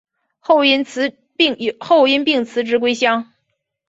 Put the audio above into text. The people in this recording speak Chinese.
后因病辞职归乡。